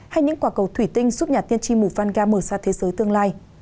hay những quả cầu thủy tinh giúp nhà tiên tri mù vanga mở ra thế giới tương lai